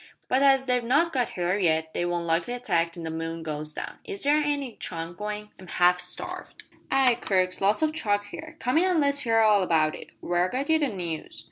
But as they've not got here yet, they won't likely attack till the moon goes down. Is there any chuck goin'? I'm half starved." "Ay, Crux, lots o' chuck here. Come in an' let's hear all about it. Where got ye the news?"